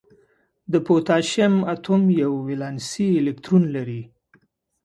د پوتاشیم اتوم یو ولانسي الکترون لري.